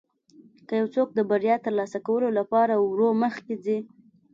که یو څوک د بریا ترلاسه کولو لپاره ورو مخکې ځي.